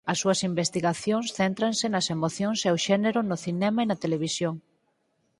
As súas investigacións céntranse nas emocións e o xénero no cinema e na televisión.